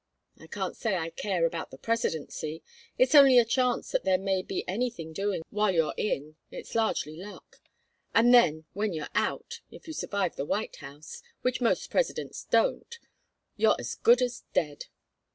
I can't say I care about the Presidency. It's only a chance that there may be anything doing while you're in it's largely luck and then when you're out, if you survive the White House which most Presidents don't you're as good as dead.